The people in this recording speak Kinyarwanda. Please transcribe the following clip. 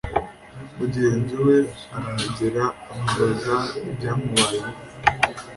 Mugenzi we arahagera amubaza ibyamubayeho